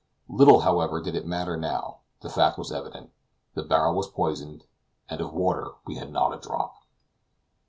Little, however, did it matter now; the fact was evident the barrel was poisoned, and of water we had not a drop.